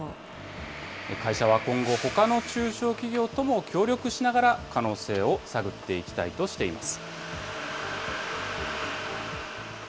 会社は今後、ほかの中小企業とも協力しながら、可能性を探っていきたいとしています。